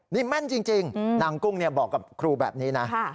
นี่แม่นจริงนางกุ้งบอกกับครูแบบนี้นะ